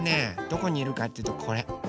どこにいるかっていうとこれ。